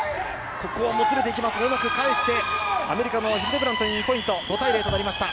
ここはもつれていきますがうまく返してアメリカのヒルデブラント２ポイント５対０となりました。